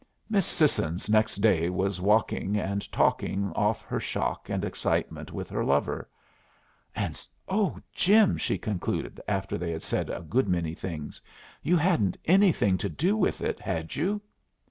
Miss Sissons next day was walking and talking off her shock and excitement with her lover. "And oh, Jim," she concluded, after they had said a good many things, "you hadn't anything to do with it, had you?"